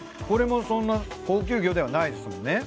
これもそんな高級魚ではないですもんね。